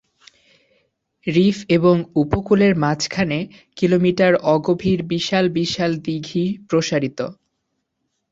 Reef এবং উপকূলের মাঝখানে কিলোমিটার অগভীর বিশাল বিশাল দীঘি প্রসারিত।